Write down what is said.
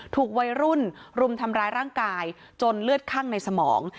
ถูกวัยรุ่นรุมทำร้ายร่างกายจนเลือดคั่งในสมอง